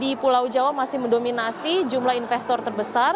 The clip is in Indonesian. di pulau jawa masih mendominasi jumlah investor terbesar